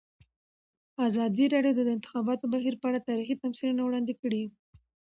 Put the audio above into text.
ازادي راډیو د د انتخاباتو بهیر په اړه تاریخي تمثیلونه وړاندې کړي.